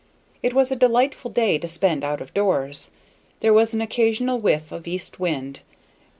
It was a delightful day to spend out of doors; there was an occasional whiff of east wind.